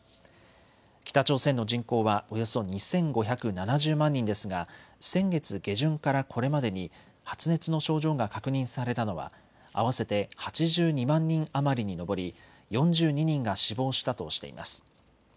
北朝鮮の人口はおよそ２５７０万人ですが先月下旬からこれまでに発熱の症状が確認されたのは合わせて８２万人余りに上り４２人が死亡したとしています。